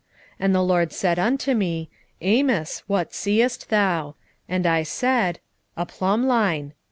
7:8 And the LORD said unto me, Amos, what seest thou? And I said, A plumbline.